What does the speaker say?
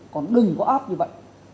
còn đừng có áp như vậy